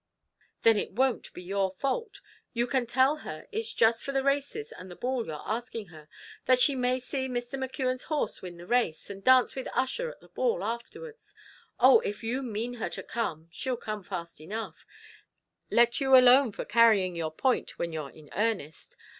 "Then it won't be your fault; you can tell her it's just for the races and the ball you're asking her that she may see Mr. McKeon's horse win the race, and dance with Ussher at the ball afterwards. Oh! if you mean her to come, she'll come fast enough; let you alone for carrying your point when you're in earnest.